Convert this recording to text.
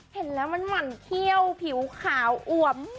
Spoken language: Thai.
เห็นแล้วมันหมั่นเขี้ยวผิวขาวอวม